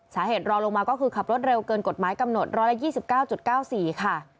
รอลงมาก็คือขับรถเร็วเกินกฎหมายกำหนด๑๒๙๙๔ค่ะ